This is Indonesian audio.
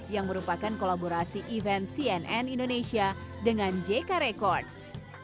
yang merupakan kolaborasi event cnn indonesia dengan jk records